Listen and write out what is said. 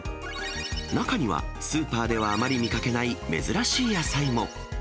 中には、スーパーではあまり見かけない珍しい野菜も。